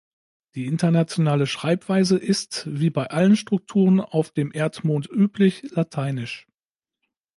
Die internationale Schreibweise ist, wie bei allen Strukturen auf dem Erdmond üblich, lateinisch.